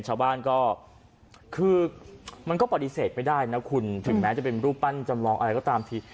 ชาวบ้านก็คือมันก็ปฏิเสธไม่ได้นะคุณถึงแม้จะเป็นรูปปั้นจำลองอะไรก็ตามที